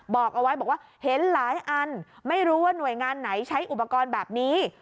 บอกเอาไว้บอกว่าเห็นหลายอันไม่รู้ว่าหน่วยงานไหนใช้อุปกรณ์แบบนี้